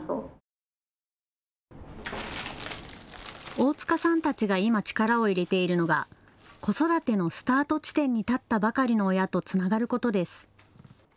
大塚さんたちが今、力を入れているのが子育てのスタート地点に立ったばかりの親とつながることです。